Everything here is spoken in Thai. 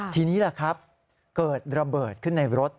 ทีนี้แหละครับเกิดระเบิดขึ้นในรถ